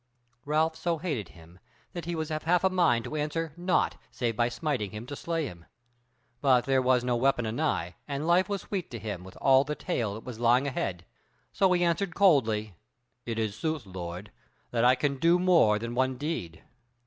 Ralph so hated him, that he was of half a mind to answer naught save by smiting him to slay him; but there was no weapon anigh, and life was sweet to him with all the tale that was lying ahead. So he answered coldly: "It is sooth, lord, that I can do more than one deed."